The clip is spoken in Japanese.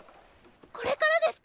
これからですか